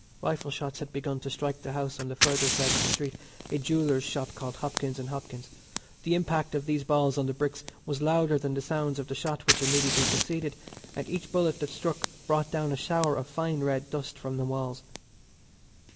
Rifle shots had begun to strike the house on the further side of the street, a jewellers' shop called Hopkins & Hopkins. The impact of these balls on the bricks was louder than the sound of the shot which immediately succeeded, and each bullet that struck brought down a shower of fine red dust from the walls.